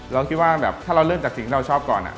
เราคิดว่าแบบถ้าเราเริ่มจากสิ่งที่เราชอบก่อน